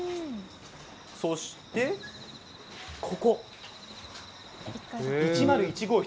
そしてここ１０１号室。